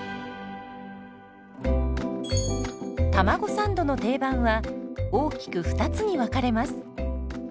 たまごサンドの定番は大きく２つに分かれます。